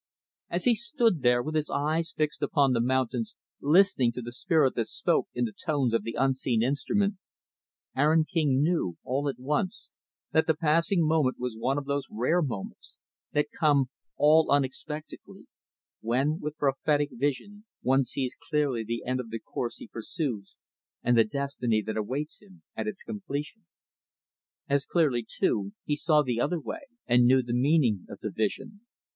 As he stood there, with his eyes fixed upon the mountains, listening to the spirit that spoke in the tones of the unseen instrument, Aaron King knew, all at once, that the passing moment was one of those rare moments that come, all unexpectedly when, with prophetic vision, one sees clearly the end of the course he pursues and the destiny that waits him at its completion. As clearly, too, he saw the other way, and knew the meaning of the vision.